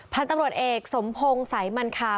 พันธุ์ตำรวจเอกสมพงศ์สายมันคา